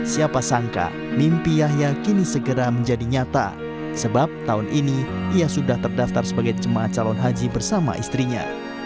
siapa sangka mimpi yahya kini segera menjadi nyata sebab tahun ini ia sudah terdaftar sebagai jemaah calon haji bersama istrinya